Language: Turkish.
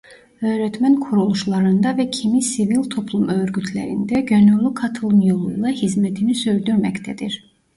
Öğretmen kuruluşlarında ve kimi sivil toplum örgütlerinde gönüllü katılım yoluyla hizmetini sürdürmektedir.